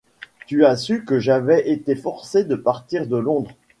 Tu as su que j’avais été forcée de partir de Londres.